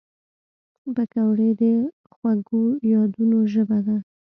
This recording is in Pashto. پکورې د خوږو یادونو ژبه ده